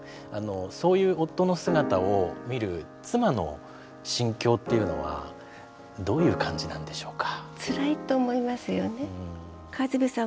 そういう夫の姿を見る妻の心境っていうのはどういう感じなんでしょうか？